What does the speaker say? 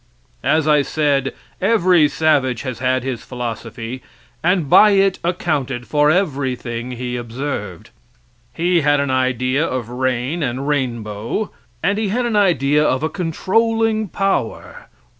As I said, every savage has had his philosophy, and by it accounted for everything he observed. He had an idea of rain and rainbow, and he had an idea of a controlling power.